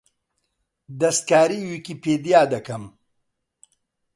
دەستکاریی ویکیپیدیا دەکەم.